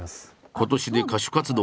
今年で歌手活動